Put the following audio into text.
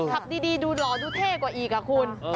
ขับดีดูหล่อดูเท่กว่าอีกอ่ะคุณ